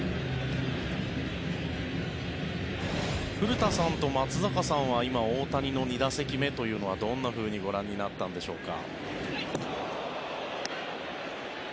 古田さんと松坂さんは今、大谷の２打席目というのはどんなふうにご覧になったんでしょうか。